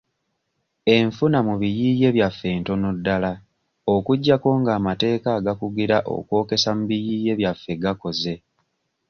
Enfuna mu biyiiye byaffe ntono ddala okuggyako ng'amateeka agakugira okwokyesa mu biyiiye byaffe gakoze.